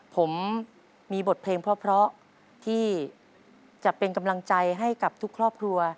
ผมมีบทเพลงเพราะที่จะเป็นกำลังใจให้กับทุกครอบครัว